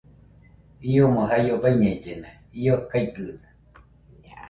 Iomo jaio baiñellena, io gaigɨde